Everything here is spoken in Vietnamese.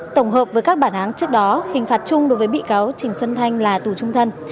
tổng hợp với các bản án trước đó hình phạt chung đối với bị cáo trình xuân thanh là tù trung thân